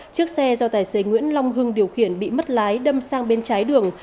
chiếc xe do tài xế nguyễn long hưng điều khiển bị mất lái đâm sang bên trái đường